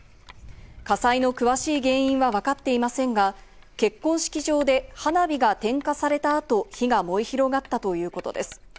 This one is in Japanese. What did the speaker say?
火災の詳しい原因はわかっていませんが、結婚式場で花火が点火された後、火が燃え広がったということです。